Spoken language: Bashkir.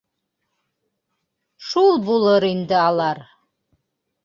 Шул булыр инде алар...